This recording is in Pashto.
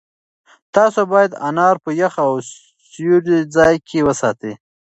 تاسو باید انار په یخ او سیوري ځای کې وساتئ.